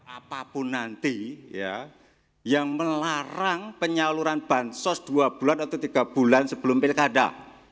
apapun nanti yang melarang penyaluran bansos dua bulan atau tiga bulan sebelum pilkada